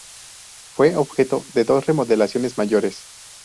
Fue objeto de dos remodelaciones mayores.